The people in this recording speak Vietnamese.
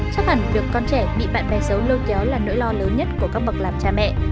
chắc hẳn việc con trẻ bị bạn bè xấu lôi kéo là nỗi lo lớn nhất của các bậc làm cha mẹ